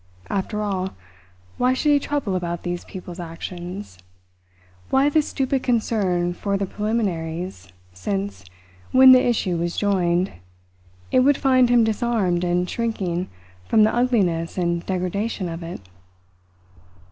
After all, why should he trouble about these people's actions? Why this stupid concern for the preliminaries, since, when the issue was joined, it would find him disarmed and shrinking from the ugliness and degradation of it?